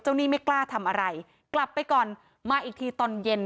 หนี้ไม่กล้าทำอะไรกลับไปก่อนมาอีกทีตอนเย็น